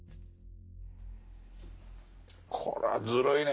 これはずるいね。